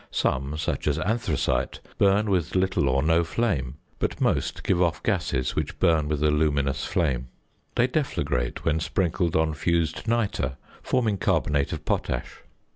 Some, such as anthracite, burn with little or no flame, but most give off gases, which burn with a luminous flame. They deflagrate when sprinkled on fused nitre, forming carbonate of potash.